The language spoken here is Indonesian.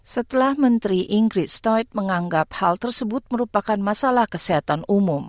setelah menteri inggris toyd menganggap hal tersebut merupakan masalah kesehatan umum